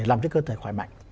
làm cho cơ thể khỏe mạnh